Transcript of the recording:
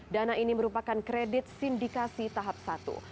dana ini merupakan kredit sindikasi tahap satu